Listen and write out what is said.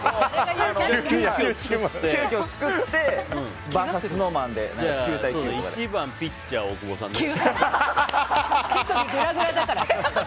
急きょ作ってバーサスＳｎｏｗＭａｎで１番ピッチャー、大久保さんね。